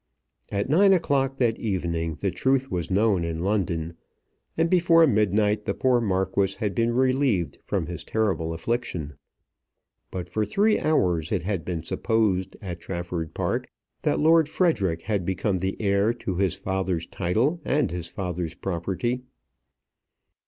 At nine o'clock that evening the truth was known in London, and before midnight the poor Marquis had been relieved from his terrible affliction. But for three hours it had been supposed at Trafford Park that Lord Frederic had become the heir to his father's title and his father's property.